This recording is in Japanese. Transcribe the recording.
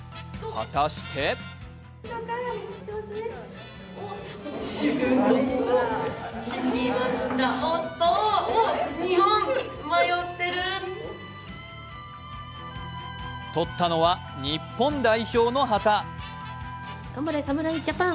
果たして取ったのは日本代表の旗。